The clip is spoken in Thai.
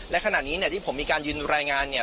และขณะนี้เนี่ยที่ผมมีการยืนรายงานเนี่ย